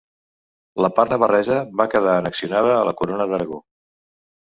La part navarresa va quedar annexionada a la corona d'Aragó.